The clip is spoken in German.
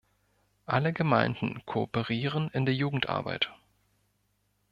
Alle Gemeinden kooperieren in der Jugendarbeit.